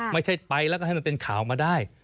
ไม่ใช่ไปแล้วก็ให้มันเป็นข่าวมาได้